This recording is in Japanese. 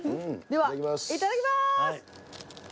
ではいただきます！